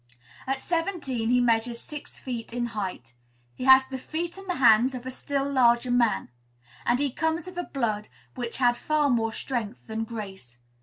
At seventeen he measures six feet in height; he has the feet and the hands of a still larger man; and he comes of a blood which had far more strength than grace.